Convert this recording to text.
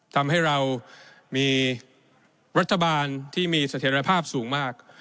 ทำให้เรามีรัฐบาลที่มีเสถียรภาพสูงมาก